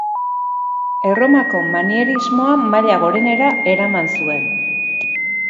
Erromako manierismoa maila gorenera eraman zuen.